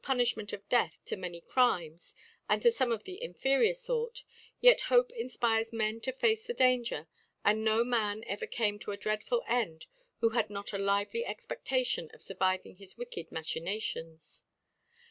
^ Punifliment of Death to many Crimes, * and to fbme of the inferior Sort, yet * Hope infpircs Men to face the Danger ;^ and no Man ever came to a dreadful * End, who had nota lively Expe6htion of^ * {urviving his wicked Machinations.